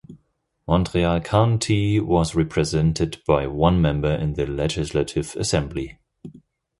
Montreal County was represented by one member in the Legislative Assembly.